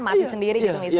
mati sendiri gitu misalnya